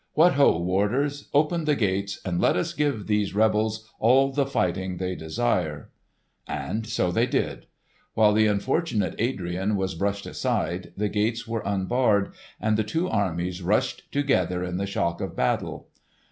What ho, warders! Open the gates, and let us give these rebels all the fighting they desire!" And so they did! While the unfortunate Adrian was brushed aside, the gates were unbarred and the two armies rushed together in the shock of battle.